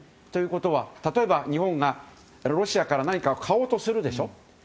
ということは、例えば日本がロシアから何かを買おうとするでしょ。